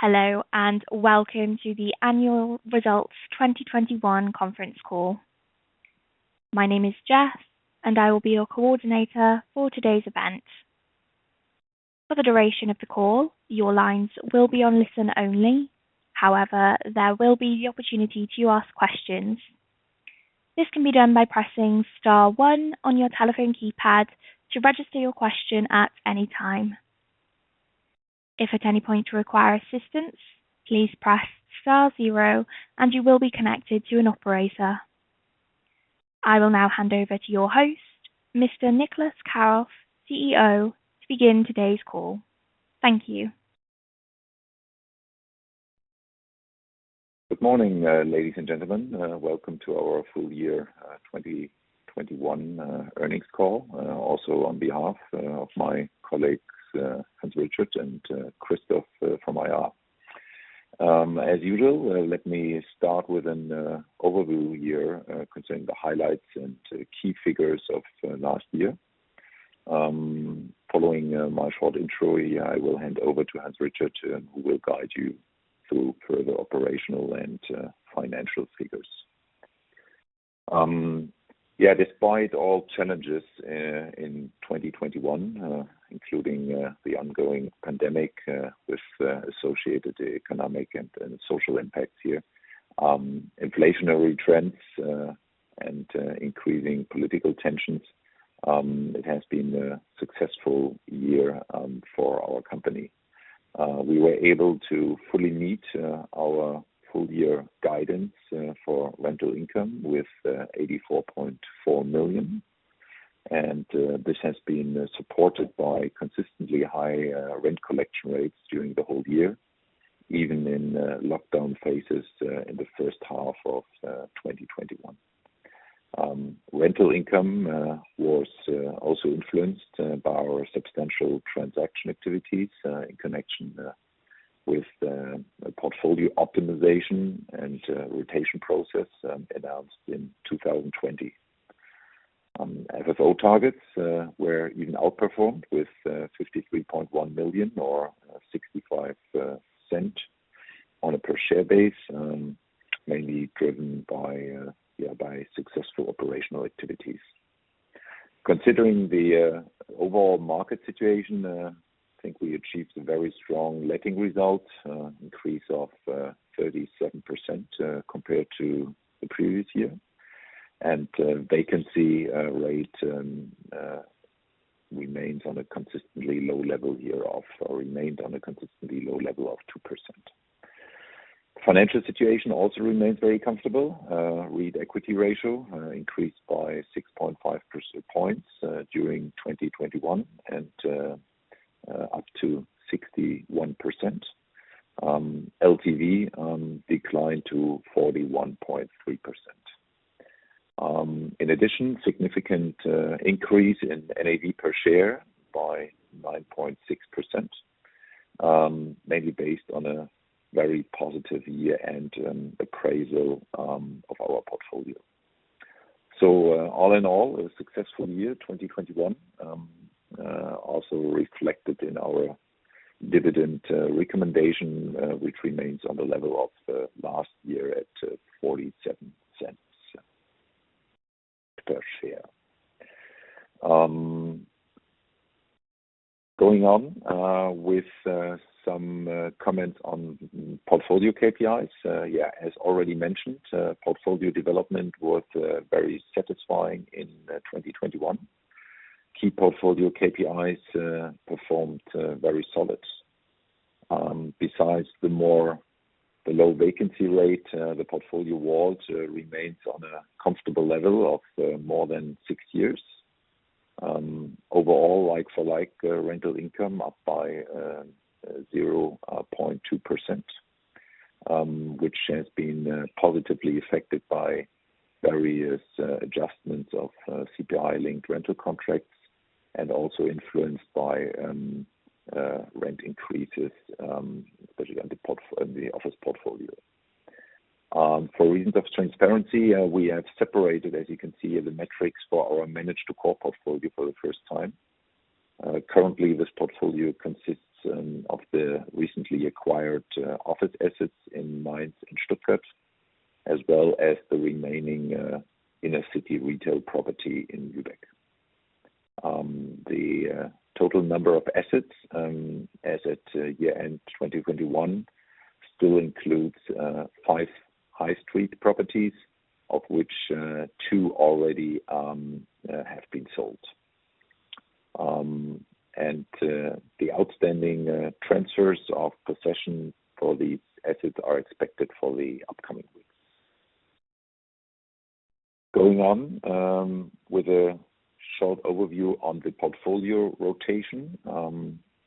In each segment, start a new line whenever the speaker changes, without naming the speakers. Hello and welcome to the Annual Results 2021 Conference Call. My name is Jess, and I will be your coordinator for today's event. For the duration of the call, your lines will be on listen only. However, there will be the opportunity to ask questions. This can be done by pressing star one on your telephone keypad to register your question at any time. If at any point you require assistance, please press star zero and you will be connected to an operator. I will now hand over to your host, Mr. Niclas Karoff, CEO, to begin today's call. Thank you.
Good morning, ladies and gentlemen. Welcome to our full year 2021 earnings call. Also, on behalf of my colleagues, Hans Richard and Christoph from IR. As usual, let me start with an overview here concerning the highlights and key figures of last year. Following my short intro, I will hand over to Hans Richard, who will guide you through further operational and financial figures. Despite all challenges in 2021, including the ongoing pandemic with associated economic and social impacts here, inflationary trends, and increasing political tensions, it has been a successful year for our company. We were able to fully meet our full year guidance for rental income with 84.4 million. This has been supported by consistently high rent collection rates during the whole year, even in lockdown phases in the first half of 2021. Rental income was also influenced by our substantial transaction activities in connection with portfolio optimization and rotation process announced in 2020. FFO targets were even outperformed with 53.1 million or 0.65 on a per share basis, mainly driven by successful operational activities. Considering the overall market situation, I think we achieved very strong letting results increase of 37% compared to the previous year. Vacancy rate remained on a consistently low level of 2%. Financial situation also remains very comfortable. REIT equity ratio increased by 6.5 percentage points during 2021 and up to 61%. LTV declined to 41.3%. In addition, significant increase in NAV per share by 9.6%, mainly based on a very positive year-end appraisal of our portfolio. All in all, a successful year, 2021, also reflected in our dividend recommendation, which remains on the level of last year at 0.47 per share. Going on with some comments on portfolio KPIs. Yeah, as already mentioned, portfolio development was very satisfying in 2021. Key portfolio KPIs performed very solid. Besides the low vacancy rate, the portfolio WAULTS remains on a comfortable level of more than six years. Overall, like-for-like rental income up by 0.2%, which has been positively affected by various adjustments of CPI-linked rental contracts and also influenced by rent increases, especially in the office portfolio. For reasons of transparency, we have separated, as you can see, the metrics for our manage-to-core portfolio for the first time. Currently, this portfolio consists of the recently acquired office assets in Mainz and Stuttgart, as well as the remaining inner city retail property in Lübeck. The total number of assets as at year-end 2021 still includes five high street properties, of which two already have been sold. The outstanding transfers of possession for these assets are expected for the upcoming weeks. Going on with a short overview on the portfolio rotation.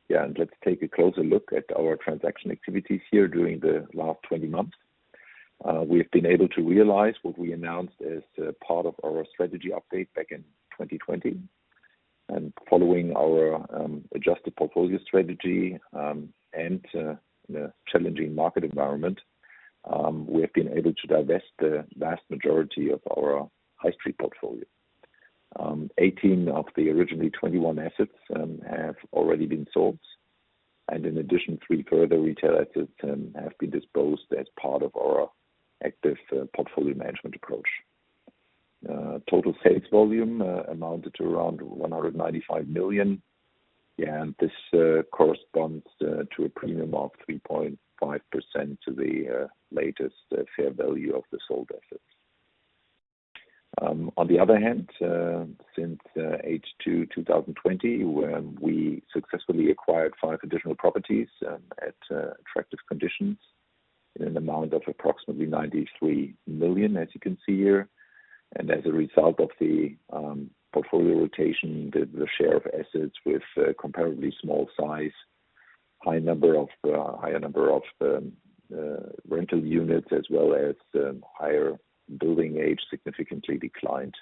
Yeah. Let's take a closer look at our transaction activities here during the last 20 months. We have been able to realize what we announced as part of our strategy update back in 2020. Following our adjusted portfolio strategy and the challenging market environment, we have been able to divest the vast majority of our high street portfolio. 18 of the originally 21 assets have already been sold. In addition, three further retail assets have been disposed as part of our active portfolio management approach. Total sales volume amounted to around 195 million. This corresponds to a premium of 3.5% to the latest fair value of the sold assets. On the other hand, since H2 2020, when we successfully acquired five additional properties at attractive conditions in an amount of approximately 93 million, as you can see here. As a result of the portfolio rotation, the share of assets with comparatively small size, high number of rental units as well as higher building age significantly declined.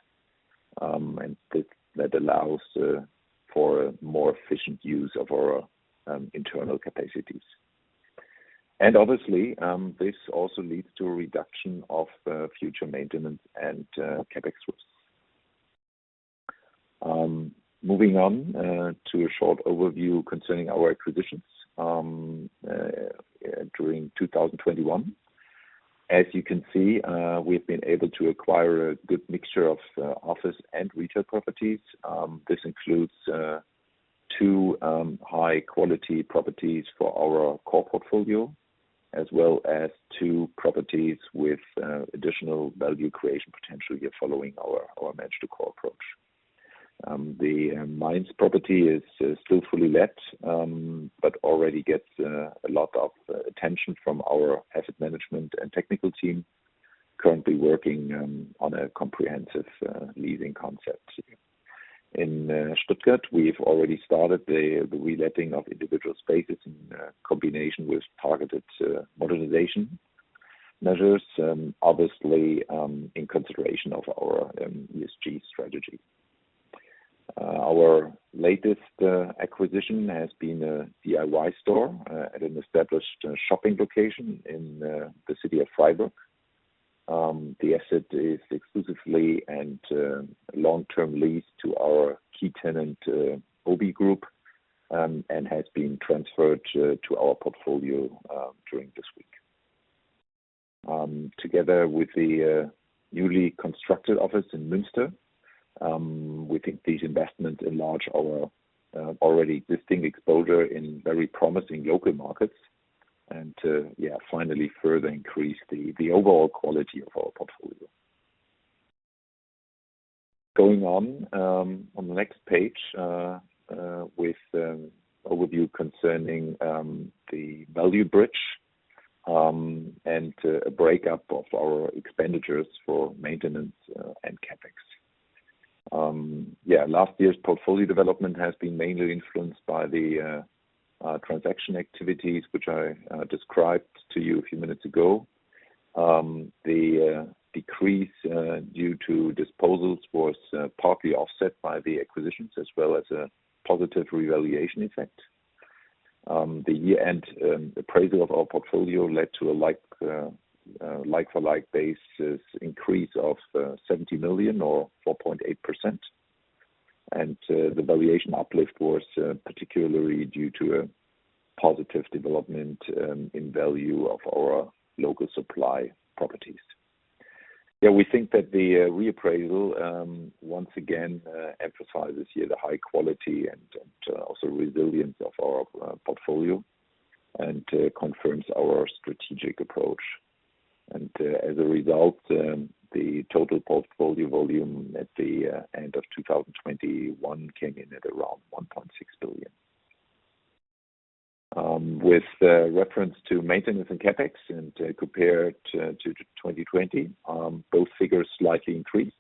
That allows for a more efficient use of our internal capacities. Obviously, this also leads to a reduction of future maintenance and CapEx risks. Moving on to a short overview concerning our acquisitions during 2021. As you can see, we've been able to acquire a good mixture of office and retail properties. This includes 2 high quality properties for our core portfolio, as well as 2 properties with additional value creation potential here following our manage to core approach. The Mainz property is still fully let, but already gets a lot of attention from our asset management and technical team currently working on a comprehensive leasing concept. In Stuttgart, we've already started the reletting of individual spaces in combination with targeted modernization measures, obviously, in consideration of our ESG strategy. Our latest acquisition has been a DIY store at an established shopping location in the city of Freiburg. The asset is exclusively and long-term leased to our key tenant, OBI Group, and has been transferred to our portfolio during this week. Together with the newly constructed office in Münster, we think these investments enlarge our already existing exposure in very promising local markets and finally further increase the overall quality of our portfolio. Going on the next page with an overview concerning the value bridge and a breakdown of our expenditures for maintenance and CapEx. Last year's portfolio development has been mainly influenced by the transaction activities which I described to you a few minutes ago. The decrease due to disposals was partly offset by the acquisitions as well as a positive revaluation effect. The year-end appraisal of our portfolio led to a like-for-like basis increase of 70 million or 4.8%. The valuation uplift was particularly due to a positive development in value of our local supply properties. We think that the reappraisal once again emphasizes here the high quality and also resilience of our portfolio and confirms our strategic approach. As a result, the total portfolio volume at the end of 2021 came in at around 1.6 billion. With reference to maintenance and CapEx and compared to 2020, both figures slightly increased.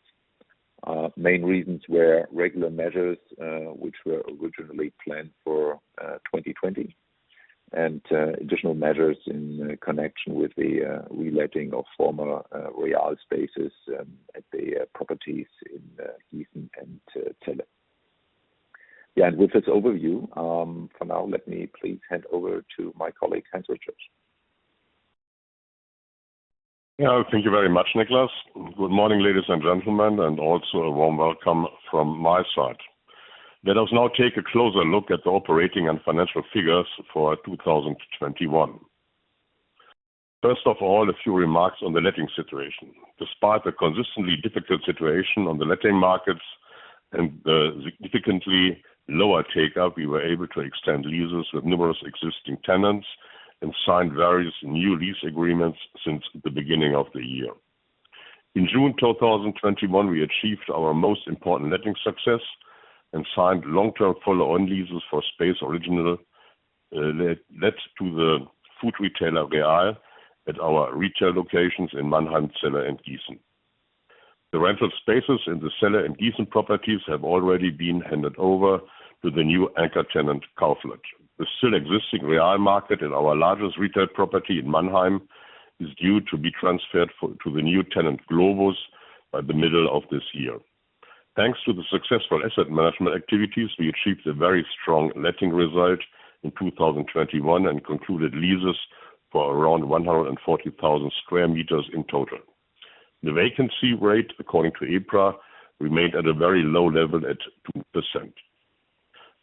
Main reasons were regular measures which were originally planned for 2020. Additional measures in connection with the reletting of former Real spaces at the properties in Gießen and Celle.Yeah, with this overview, for now let me please hand over to my colleague, Hans Richard Schmitz.
Yeah. Thank you very much, Niclas. Good morning, ladies and gentlemen, and also a warm welcome from my side. Let us now take a closer look at the operating and financial figures for 2021. First of all, a few remarks on the letting situation. Despite the consistently difficult situation on the letting markets and the significantly lower takeout, we were able to extend leases with numerous existing tenants and signed various new lease agreements since the beginning of the year. In June 2021, we achieved our most important letting success and signed long-term follow-on leases for space originally let to the food retailer, Real, at our retail locations in Mannheim, Celle, and Gießen. The rental spaces in the Celle and Gießen properties have already been handed over to the new anchor tenant, Kaufland. The still existing Real market in our largest retail property in Mannheim is due to be transferred to the new tenant, Globus, by the middle of this year. Thanks to the successful asset management activities, we achieved a very strong letting result in 2021 and concluded leases for around 140,000 sq m in total. The vacancy rate, according to EPRA, remained at a very low level at 2%.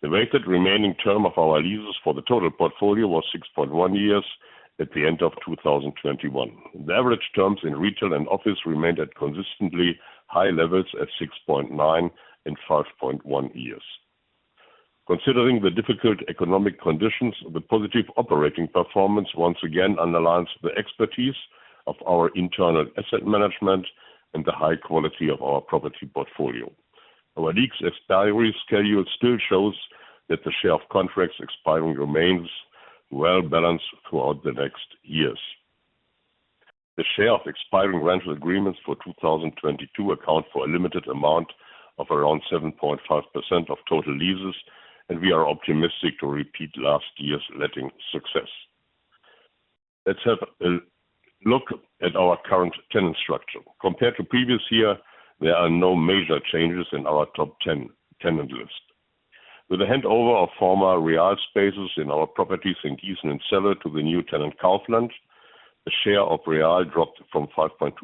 The weighted remaining term of our leases for the total portfolio was 6.1 years at the end of 2021. The average terms in retail and office remained at consistently high levels at 6.9 and 5.1 years. Considering the difficult economic conditions, the positive operating performance once again underlines the expertise of our internal asset management and the high quality of our property portfolio. Our lease expiry schedule still shows that the share of contracts expiring remains well-balanced throughout the next years. The share of expiring rental agreements for 2022 accounts for a limited amount of around 7.5% of total leases, and we are optimistic to repeat last year's letting success. Let's have a look at our current tenant structure. Compared to previous year, there are no major changes in our top ten tenant list. With the handover of former Real spaces in our properties in Gießen and Celle to the new tenant Kaufland, the share of Real dropped from 5.2%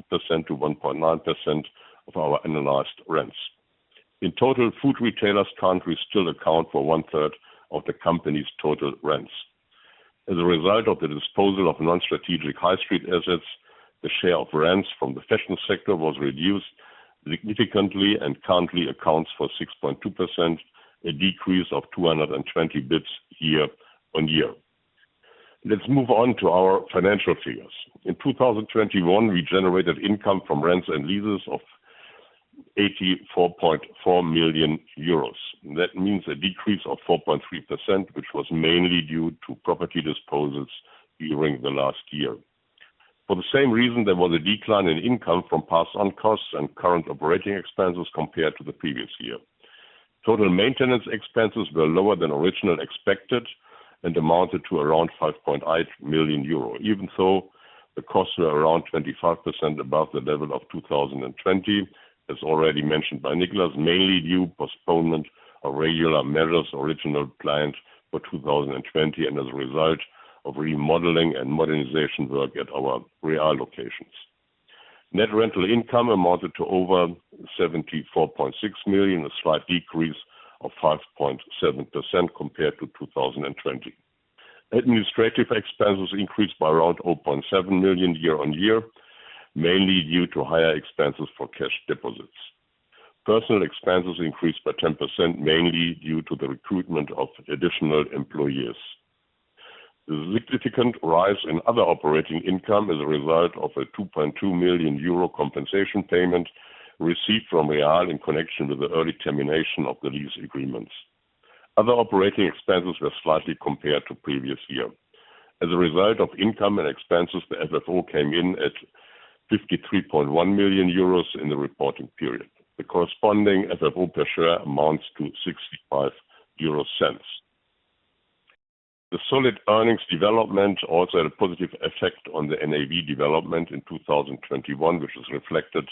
to 1.9% of our annualized rents. In total, food retailers currently still account for 1/3 of the company's total rents. As a result of the disposal of non-strategic high street assets, the share of rents from the fashion sector was reduced significantly and currently accounts for 6.2%, a decrease of 220 basis points year-on-year. Let's move on to our financial figures. In 2021, we generated income from rents and leases of 84.4 million euros. That means a decrease of 4.3%, which was mainly due to property disposals during the last year. For the same reason, there was a decline in income from passed on costs and current operating expenses compared to the previous year. Total maintenance expenses were lower than originally expected and amounted to around 5.8 million euro. Even so, the costs were around 25% above the level of 2020, as already mentioned by Niclas, mainly due to postponement of regular measures originally planned for 2020, and as a result of remodeling and modernization work at our Real locations. Net rental income amounted to over 74.6 million, a slight decrease of 5.7% compared to 2020. Administrative expenses increased by around 0.7 million year-over-year, mainly due to higher expenses for cash deposits. Personnel expenses increased by 10%, mainly due to the recruitment of additional employees. Significant rise in other operating income as a result of a 2.2 million euro compensation payment received from Real in connection with the early termination of the lease agreements. Other operating expenses increased slightly compared to the previous year. As a result of income and expenses, the FFO came in at 53.1 million euros in the reporting period. The corresponding FFO per share amounts to 0.65. The solid earnings development also had a positive effect on the NAV development in 2021, which is reflected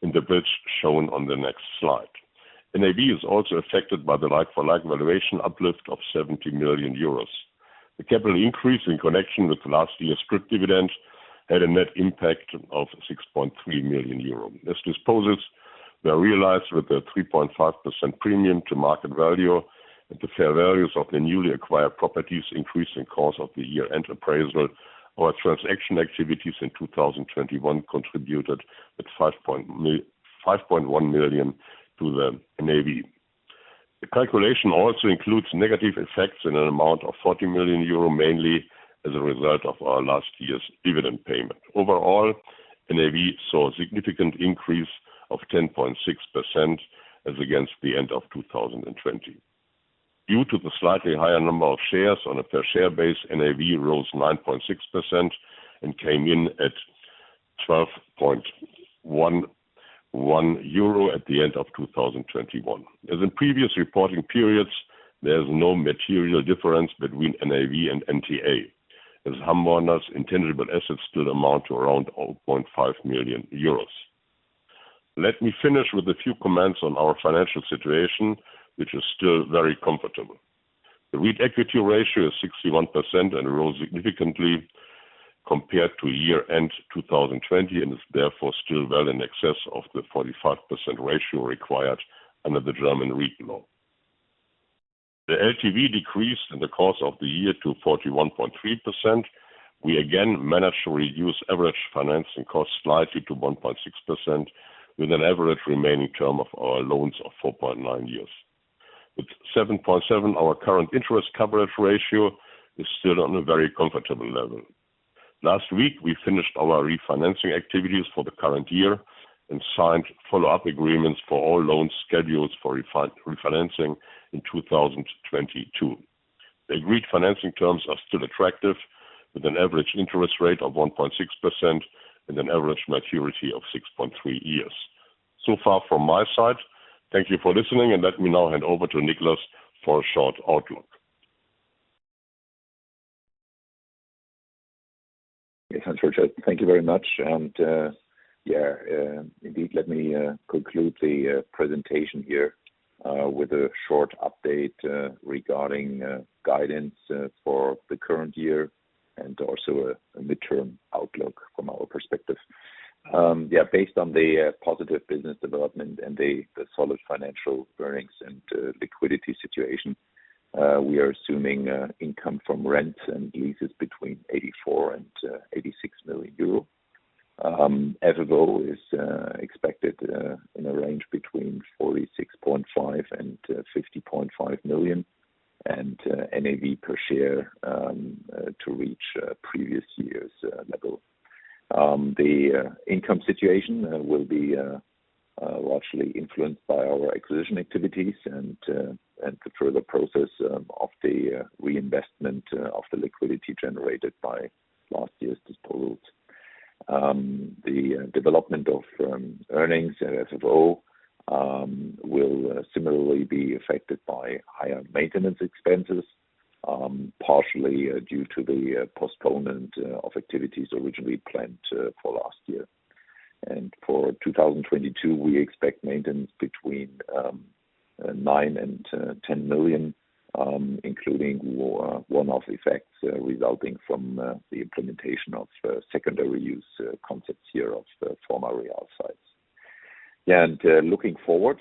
in the figures shown on the next slide. NAV is also affected by the like for like valuation uplift of 70 million euros. The capital increase in connection with last year's scrip dividend had a net impact of 6.3 million euro. These disposals were realized with a 3.5% premium to market value, and the fair values of the newly acquired properties increased in the course of the year. Year-end appraisal or transaction activities in 2021 contributed a 5.1 million to the NAV. The calculation also includes negative effects in an amount of 40 million euro, mainly as a result of our last year's dividend payment. Overall, NAV saw a significant increase of 10.6% as against the end of 2020. Due to the slightly higher number of shares on a per share basis, NAV rose 9.6% and came in at 12.11 euro at the end of 2021. As in previous reporting periods, there's no material difference between NAV and NTA, as HAMBORNER's intangible assets still amount to around 0.5 million euros. Let me finish with a few comments on our financial situation, which is still very comfortable. The REIT equity ratio is 61% and rose significantly compared to year end 2020, and is therefore still well in excess of the 45% ratio required under the German REIT Act. The LTV decreased in the course of the year to 41.3%. We again managed to reduce average financing costs slightly to 1.6% with an average remaining term of our loans of 4.9 years. With 7.7, our current interest coverage ratio is still on a very comfortable level. Last week we finished our refinancing activities for the current year and signed follow-up agreements for all loan schedules for refinancing in 2022. The agreed financing terms are still attractive, with an average interest rate of 1.6% and an average maturity of 6.3 years. Far from my side. Thank you for listening, and let me now hand over to Niclas for a short outlook.
Hans Richard, thank you very much. Indeed, let me conclude the presentation here with a short update regarding guidance for the current year and also a midterm outlook from our perspective. Based on the positive business development and the solid financial earnings and liquidity situation, we are assuming income from rent and leases between 84 million-86 million euro. FFO is expected in a range between 46.5 million-50.5 million, and NAV per share to reach previous year's level. The income situation will be largely influenced by our acquisition activities and the further processing of the reinvestment of the liquidity generated by last year's disposals. The development of earnings and FFO will similarly be affected by higher maintenance expenses, partially due to the postponement of activities originally planned for last year. For 2022, we expect maintenance between 9 million and 10 million, including one-off effects resulting from the implementation of secondary use concepts here of the former Real sites. Looking forward,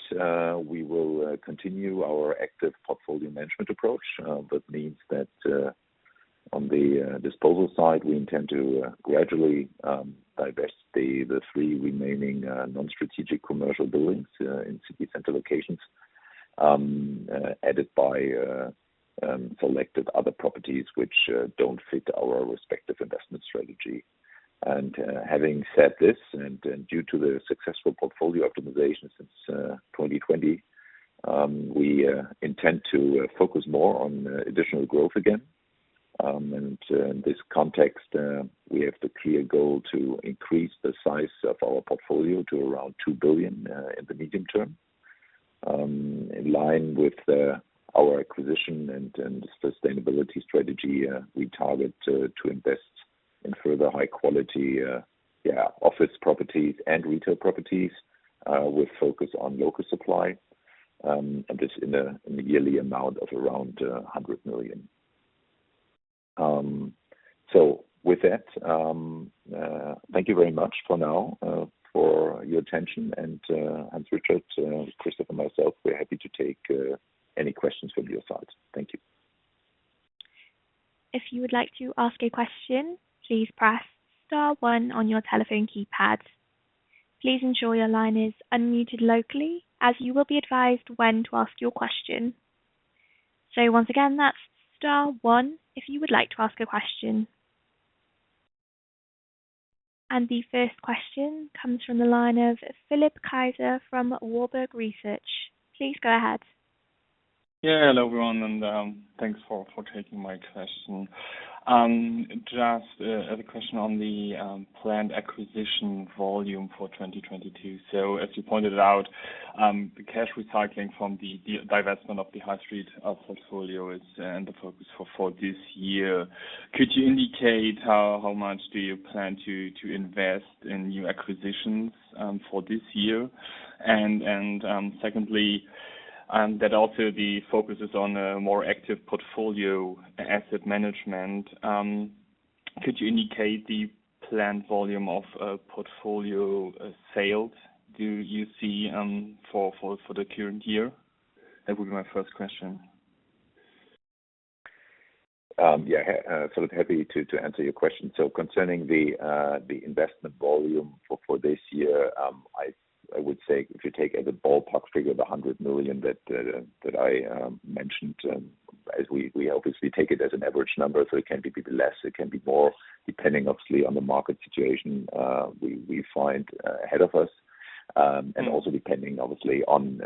we will continue our active portfolio management approach. That means that on the disposal side, we intend to gradually divest the three remaining non-strategic commercial buildings in city center locations added by selective other properties which don't fit our respective investment strategy. Having said this, due to the successful portfolio optimization since 2020, we intend to focus more on additional growth again. In this context, we have the clear goal to increase the size of our portfolio to around 2 billion in the medium term. In line with our acquisition and sustainability strategy, we target to invest in further high quality office properties and retail properties, with focus on local supply, and in a yearly amount of around 100 million. With that, thank you very much for now for your attention. Hans Richard, Christoph, and myself, we're happy to take any questions from your side. Thank you.
If you would like to ask a question, please press star one on your telephone keypad. Please ensure your line is unmuted locally as you will be advised when to ask your question. Once again, that's star one if you would like to ask a question. The first question comes from the line of Philipp Kaiser from Warburg Research. Please go ahead.
Yeah. Hello, everyone, and thanks for taking my question. Just, I have a question on the planned acquisition volume for 2022. As you pointed out, the cash recycling from the divestment of the high street portfolio is the focus for this year. Could you indicate how much do you plan to invest in new acquisitions for this year? Secondly, that also the focus is on a more active portfolio asset management. Could you indicate the planned volume of portfolio sales do you see for the current year? That would be my first question.
Philipp, happy to answer your question. Concerning the investment volume for this year, I would say if you take as a ballpark figure the 100 million that I mentioned, as we obviously take it as an average number. It can be a bit less, it can be more depending obviously on the market situation we find ahead of us. And also depending obviously on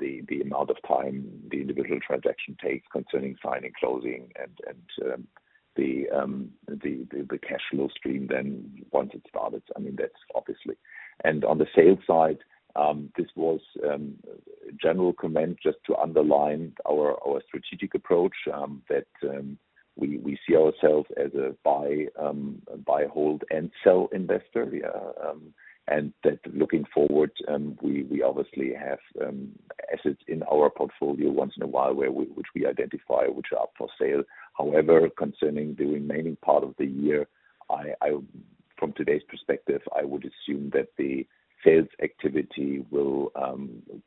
the amount of time the individual transaction takes concerning signing, closing and the cash flow stream then once it started. I mean, that's obviously. On the sales side, this was a general comment just to underline our strategic approach that we see ourselves as a buy, hold, and sell investor. Looking forward, we obviously have assets in our portfolio once in a while where we identify which are up for sale. However, concerning the remaining part of the year, from today's perspective, I would assume that the sales activity will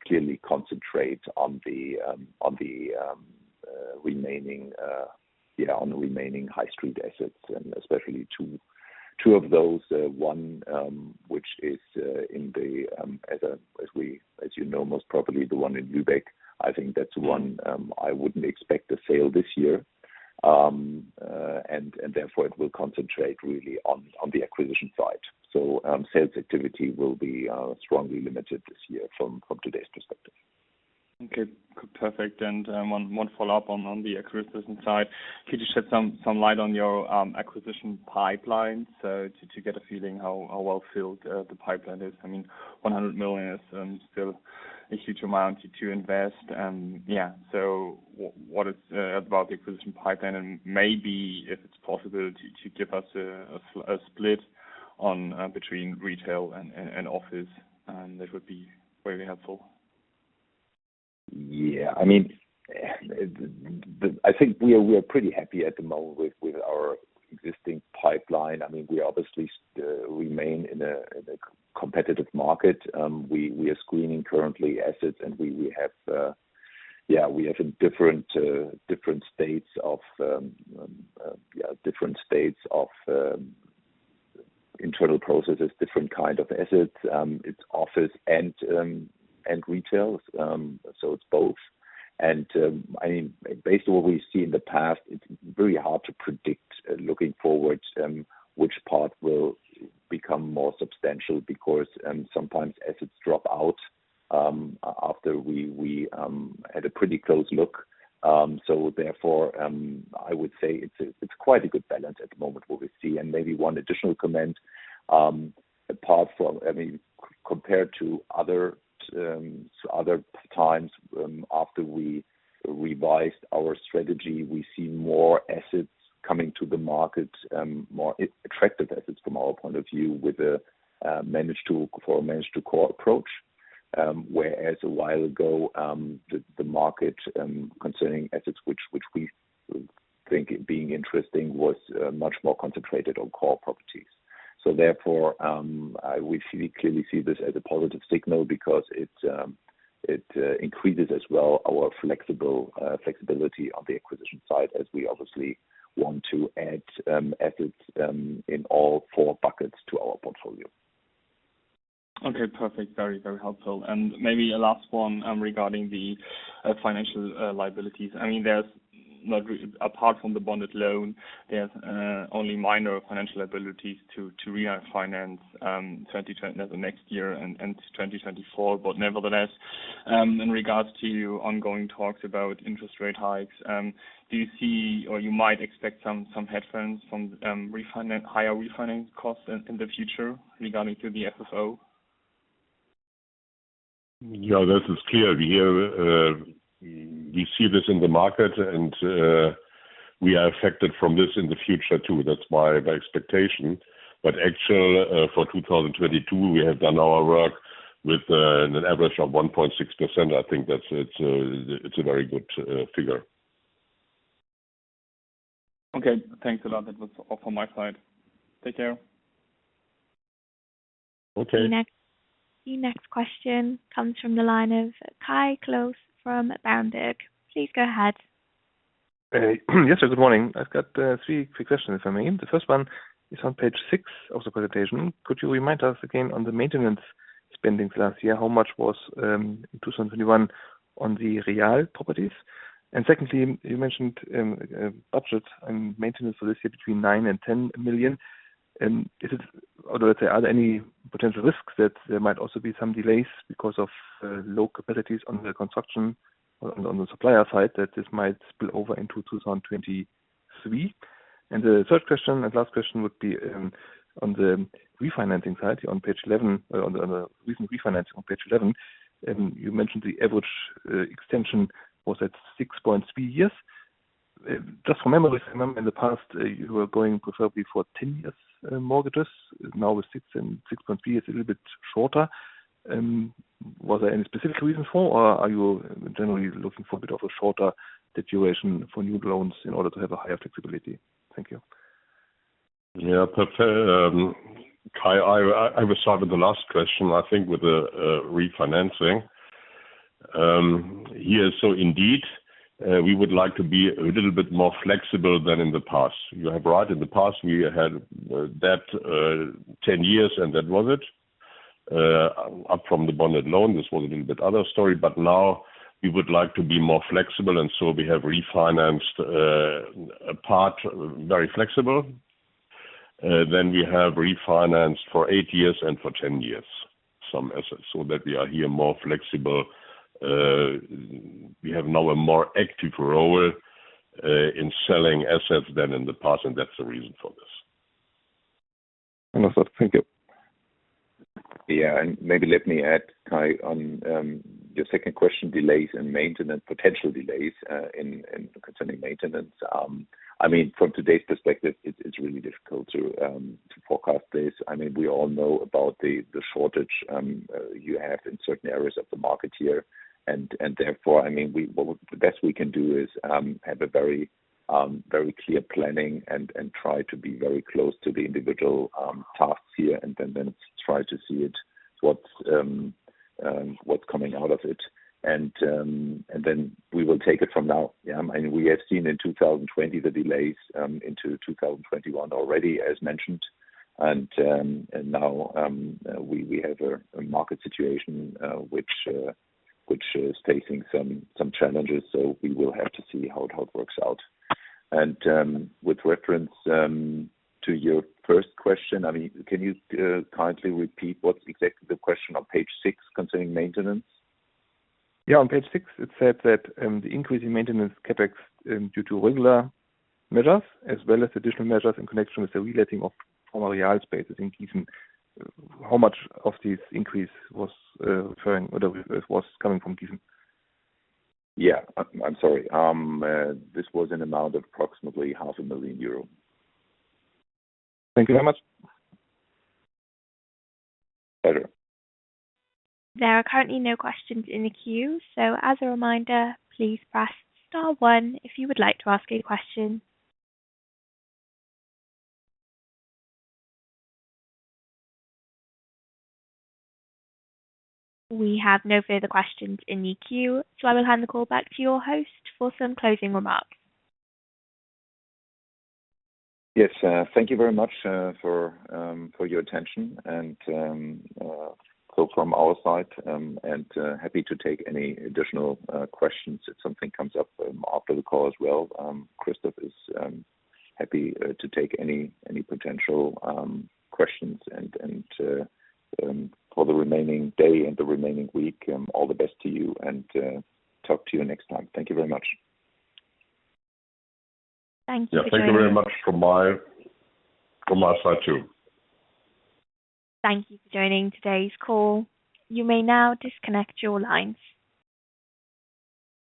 clearly concentrate on the remaining high street assets and especially two of those. One, which is, as you know, most probably the one in Lübeck. I think that's one I wouldn't expect a sale this year. Therefore, it will concentrate really on the acquisition side. Sales activity will be strongly limited this year from today's perspective.
Okay. Perfect. One follow-up on the acquisition side. Could you shed some light on your acquisition pipeline, so to get a feeling how well filled the pipeline is? I mean, 100 million is still a huge amount to invest. What about the acquisition pipeline and maybe if it's possible to give us a split between retail and office, and that would be very helpful.
Yeah. I mean, I think we are pretty happy at the moment with our existing pipeline. I mean, we obviously remain in a competitive market. We are currently screening assets and we have different stages of internal processes, different kind of assets. It's office and retail. It's both. I mean, based on what we've seen in the past, it's very hard to predict looking forward which part will become more substantial because sometimes assets drop out after we had a pretty close look. Therefore, I would say it's quite a good balance at the moment what we see. Maybe one additional comment apart from. I mean, compared to other times, after we revised our strategy, we see more assets coming to the market, more attractive assets from our point of view with a manage to core approach. Whereas a while ago, the market concerning assets which we think being interesting was much more concentrated on core properties. Therefore, we clearly see this as a positive signal because it increases as well our flexibility on the acquisition side as we obviously want to add assets in all four buckets to our portfolio.
Okay, perfect. Very, very helpful. Maybe a last one regarding the financial liabilities. I mean, there's not really apart from the bonded loan, there's only minor financial liabilities to refinance in 2023, the next year, and 2024. Nevertheless, in regards to ongoing talks about interest rate hikes, do you see or you might expect some headwinds from refunding and higher refinancing costs in the future regarding the FFO?
Yeah, this is clear. We see this in the market and we are affected by this in the future, too. That's my expectation. Actually, for 2022, we have done our work with an average of 1.6%. I think that's a very good figure.
Okay. Thanks a lot. That was all from my side. Take care.
Okay.
The next question comes from the line of Kai Klose from Berenberg. Please go ahead.
Yes, sir. Good morning. I've got three quick questions, if I may. The first one is on page 6 of the presentation. Could you remind us again on the maintenance spending last year? How much was in 2021 on the real properties? Secondly, you mentioned budget and maintenance for this year between 9 million and 10 million. Although are there any potential risks that there might also be some delays because of low capacities on the construction on the supplier side that this might spill over into 2023? The third question and last question would be on the refinancing side on page 11. On the recent refinance on page 11, you mentioned the average extension was at 6.3 years. Just for memory, I remember in the past, you were going preferably for 10 years, mortgages. Now it's 6 and 6.3 is a little bit shorter. Was there any specific reason for or are you generally looking for a bit of a shorter situation for new loans in order to have a higher flexibility? Thank you.
Yeah. Per se, Kai, I will start with the last question. I think with the refinancing. Yes. Indeed, we would like to be a little bit more flexible than in the past. You are right. In the past, we had that 10 years and that was it. Up from the bonded loan, this was a little bit other story. Now we would like to be more flexible and so we have refinanced a part very flexible. We have refinanced for 8 years and for 10 years some assets so that we are here more flexible. We have now a more active role in selling assets than in the past, and that's the reason for this.
Understood. Thank you.
Yeah. Maybe let me add, Kai, on your second question, delays in maintenance, potential delays in concerning maintenance. I mean, from today's perspective, it's really difficult to forecast this. I mean, we all know about the shortage you have in certain areas of the market here. And therefore, I mean, what the best we can do is have a very clear planning and try to be very close to the individual tasks here and then try to see it. What's coming out of it. Then we will take it from now. Yeah. I mean, we have seen in 2020 the delays into 2021 already as mentioned. Now we have a market situation which is facing some challenges. We will have to see how it works out. With reference to your first question, I mean, can you kindly repeat what's exactly the question on page six concerning maintenance?
Yeah. On page six, it said that, the increase in maintenance CapEx, due to regular measures as well as additional measures in connection with the reletting of former Real space I think is, how much of this increase was, referring or was coming from Gießen?
I'm sorry. This was an amount of approximately 500,000 euro.
Thank you very much.
Better.
There are currently no questions in the queue. As a reminder, please press star one if you would like to ask a question. We have no further questions in the queue. I will hand the call back to your host for some closing remarks.
Yes. Thank you very much for your attention. From our side, happy to take any additional questions if something comes up after the call as well. Christoph is happy to take any potential questions for the remaining day and the remaining week. All the best to you and talk to you next time. Thank you very much.
Thank you for joining.
Yeah. Thank you very much from my side too.
Thank you for joining today's call. You may now disconnect your lines.